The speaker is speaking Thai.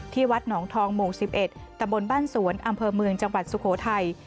วัดหนองทองหมู่๑๑ตะบนบ้านสวนอำเภอเมืองจังหวัดสุโขทัย